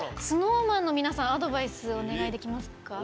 ＳｎｏｗＭａｎの皆さんアドバイス、お願いできますか。